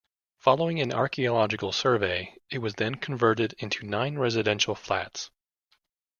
Following an archaeological survey, it was then converted into nine residential flats.